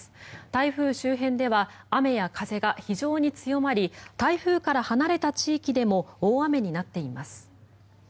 台風周辺では雨や風が非常に強まり台風から離れた地域でも大雨になっています。